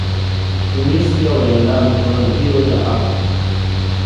tunisia waliandaa michuano hiyo ya afrika